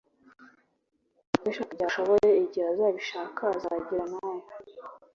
utabishaka igihe ashoboye, igihe azabishaka azagira nay.